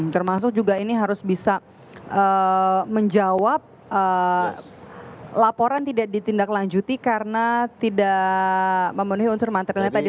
termasuk juga ini harus bisa menjawab laporan tidak ditindaklanjuti karena tidak memenuhi unsur materialnya tadi